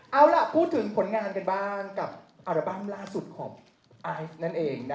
เอาล่ะพูดถึงผลงานกันบ้างกับอัลบั้มล่าสุดของไอซ์นั่นเอง